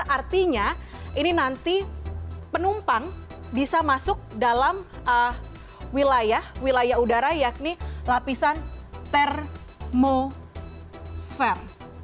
artinya ini nanti penumpang bisa masuk dalam wilayah wilayah udara yakni lapisan termosfer